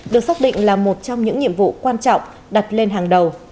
được xác định là một trong những nhiệm vụ quan trọng đặt lên hàng đầu